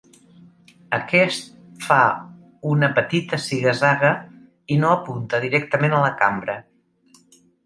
Aquest fa una petita ziga-zaga i no apunta directament a la cambra.